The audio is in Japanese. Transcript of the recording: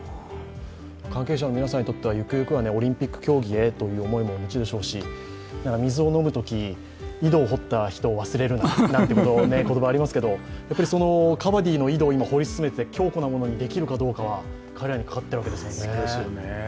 関係者の皆さんにとってはゆくゆくはオリンピック競技へという思いもお持ちでしょうし水を飲むとき、井戸を掘った人を忘れるななんて言葉がありますけどやっぱりカバディの井戸を掘り進めて強固なものにしていけるかは彼らにかかってるわけですもんね。